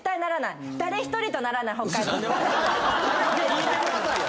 聞いてくださいよ。